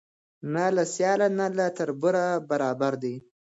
نه له سیال نه له تربوره برابر دی